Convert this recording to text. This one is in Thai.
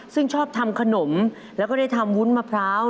ซึ่งชอบทำขนมแล้วก็ได้ทำวุ้นมะพร้าว